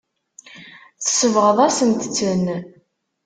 Tsebɣeḍ-asent-ten.